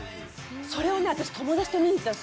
それを私、友達と見に行ったの。